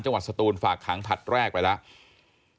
จังหวัดสตูนฝากขังผัดแรกไปแล้ว